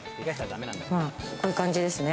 まあこういう感じですね。